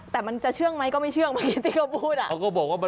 แต่มันจะเชื่อมัยไม่เชื่อมันตีเค้าพูด